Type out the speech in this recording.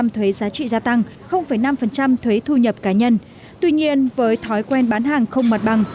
một thuế giá trị gia tăng năm thuế thu nhập cá nhân tuy nhiên với thói quen bán hàng không mật bằng